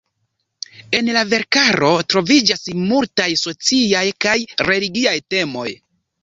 En la verkaro troviĝas multaj sociaj kaj religiaj temoj.